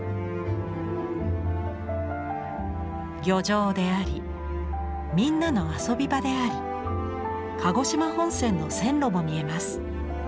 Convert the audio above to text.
漁場でありみんなの遊び場であり鹿児島本線の線路も見えます。